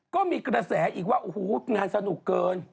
ก็มีกระแสอีกว่าโอ้โหงานสนุกเกิน